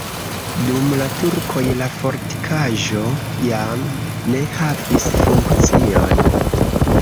Dum la turkoj la fortikaĵo jam ne havis funkcion.